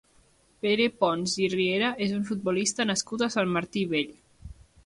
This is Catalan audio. Pere Pons i Riera és un futbolista nascut a Sant Martí Vell.